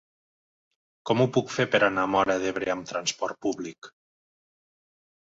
Com ho puc fer per anar a Móra d'Ebre amb trasport públic?